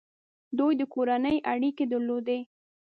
دوی د کورنۍ اړیکې درلودې.